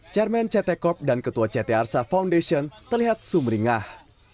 chairman ct corp dan ketua ct arsa foundation terlihat sumringah